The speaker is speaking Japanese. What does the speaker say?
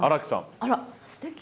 あらすてき！